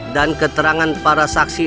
dan keterangan para saksi